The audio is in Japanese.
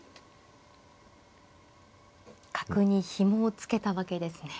角にひもを付けたわけですね。